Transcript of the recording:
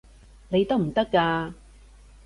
你得唔得㗎？